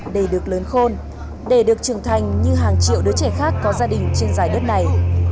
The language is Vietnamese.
để được lớn khôn để được trưởng thành như hàng triệu đứa trẻ khác có gia đình trên dài đất này